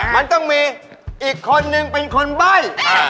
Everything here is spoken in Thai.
มันต้องมีอีกคนนึงเป็นคนใบ้